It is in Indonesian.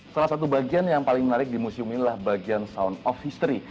salah satu bagian yang paling menarik di museum ini adalah bagian sound of history